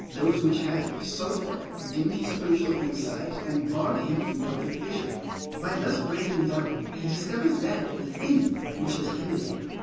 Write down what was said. Those which have, so far, dimmed his spiritual insight, and barred him from perfect vision. By thus breaking down, he discovers that within which has hindered him.